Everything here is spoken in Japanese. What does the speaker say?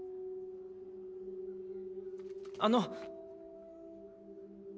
あの。